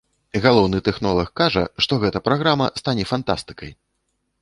Галоўны тэхнолаг кажа, што гэта праграма стане фантастыкай.